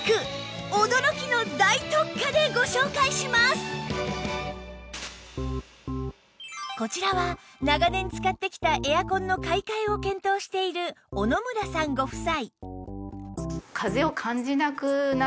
そこで今日は一足先にあのいち早くこちらは長年使ってきたエアコンの買い替えを検討している小野村さんご夫妻